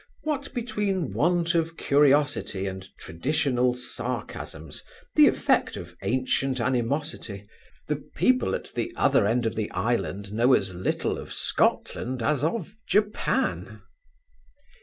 What, between want of curiosity, and traditional sarcasms, the effect of ancient animosity, the people at the other end of the island know as little of Scotland as of Japan.